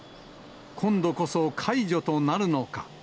今度こそ解除となるのか。